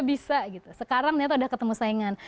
bisa gitu sekarang ternyata udah ketemu saingan